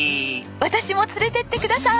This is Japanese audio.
私も連れてってください！